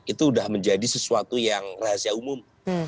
itu sudah menjadi sesuatu yang rahasia umum